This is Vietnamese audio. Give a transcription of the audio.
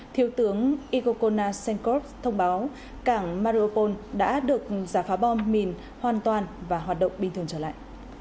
thiếu tướng igokona senkov thông báo cảng maropol đã được giả phá bom mìn hoàn toàn và hoạt động bình thường trở lại